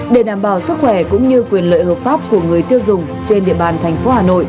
để đảm bảo sức khỏe cũng như quyền lợi hợp pháp của người tiêu dùng trên địa bàn tp hcm